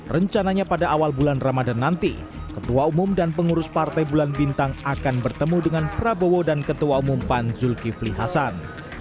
rencananya pada awal bulan ramadan nanti ketua umum dan pengurus partai bulan bintang akan bertemu dengan prabowo dan ketua umum pan zulkifli hasan